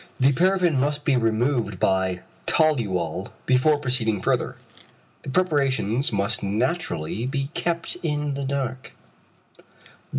The paraffin must be removed by toluol before proceeding further. The preparations must naturally be kept in the dark.